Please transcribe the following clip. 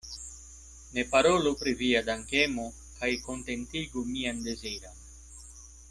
Ne parolu pri via dankemo, kaj kontentigu mian deziron.